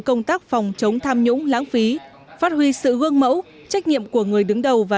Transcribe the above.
công tác phòng chống tham nhũng lãng phí phát huy sự gương mẫu trách nhiệm của người đứng đầu và